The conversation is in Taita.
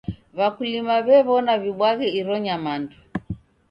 W'akulima w'ew'ona w'ibwaghe iro nyamandu.